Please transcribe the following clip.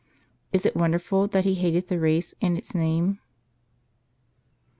Is it wonder ful that he hated the race and its name